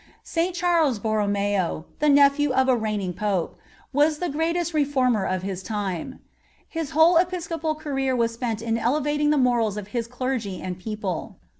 St. Charles Borromeo, the nephew of a reigning Pope, was the greatest reformer of his time. His whole Episcopal career was spent in elevating the morals of his clergy and people.